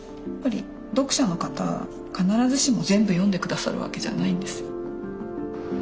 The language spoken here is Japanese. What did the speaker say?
読者の方必ずしも全部読んでくださるわけじゃないんです。